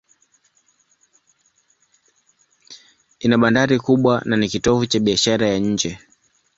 Ina bandari kubwa na ni kitovu cha biashara ya nje.